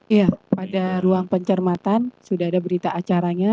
iya pada ruang pencermatan sudah ada berita acaranya